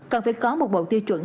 còn phải có một bộ tiêu chuẩn